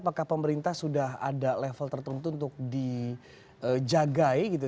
apakah pemerintah sudah ada level tertentu untuk dijagai gitu